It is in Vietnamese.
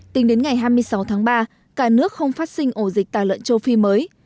tính đến ngày hai mươi sáu tháng ba cả nước không phát sinh ổ dịch tà lợn châu phi mới